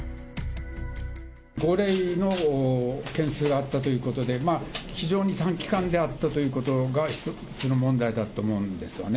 ５例の件数があったということで、非常に短期間であったということが、問題だと思うんですよね。